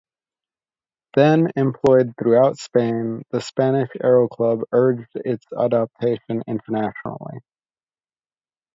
Then employed throughout Spain, the Spanish Aero Club urged its adoption internationally.